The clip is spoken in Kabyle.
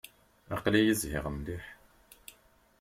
Aql-iyi zhiɣ mliḥ.